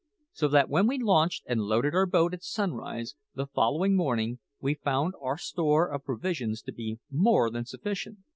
So that when we launched and loaded our boat at sunrise the following morning, we found our store of provisions to be more than sufficient.